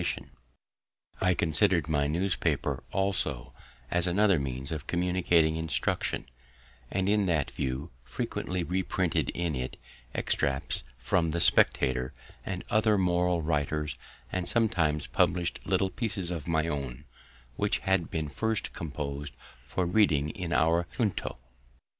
] I considered my newspaper, also, as another means of communicating instruction, and in that view frequently reprinted in it extracts from the Spectator, and other moral writers; and sometimes publish'd little pieces of my own, which had been first composed for reading in our Junto.